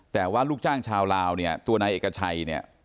แต่ว่าลูกจ้างชาวลาวตัวนายเอกชัย